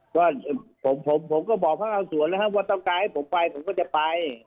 ก็ผมผมผมก็บอกพระคราวส่วนแล้วฮะว่าต้องการให้ผมไปผมก็จะไป